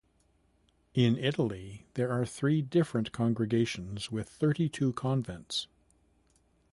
In Italy there are three different congregations with thirty-two convents.